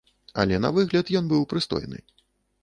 Але на выгляд ён быў прыстойны.